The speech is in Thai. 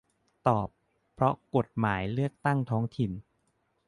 ตอบ เพราะกฎหมายเลือกตั้งท้องถิ่น